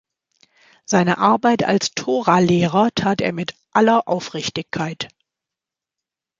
Seine Arbeit als Tora-Lehrer tat er mit aller Aufrichtigkeit.